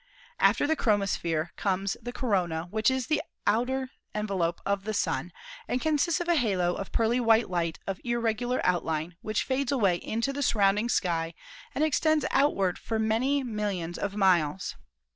After the chromosphere comes the corona, which is the outer envelope of the Sun and consists of a halo of pearly white light of irregular outline which fades away into the sur rounding sky and extends outward for many millions of miles.